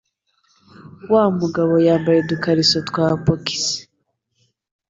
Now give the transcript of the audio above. Wa mugabo yambaye udukariso twa bokisi.